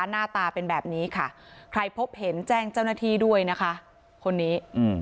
หน้าตาเป็นแบบนี้ค่ะใครพบเห็นแจ้งเจ้าหน้าที่ด้วยนะคะคนนี้